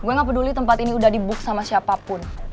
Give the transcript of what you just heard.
gue gak peduli tempat ini udah di book sama siapapun